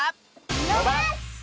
のばす！